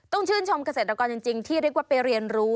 ชื่นชมเกษตรกรจริงที่เรียกว่าไปเรียนรู้